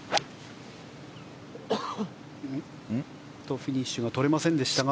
フィニッシュがとれませんでしたが。